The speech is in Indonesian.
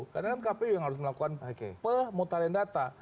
karena kan kpu yang harus melakukan pemutarian data